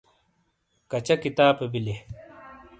کچا کتاپے بیلئیے؟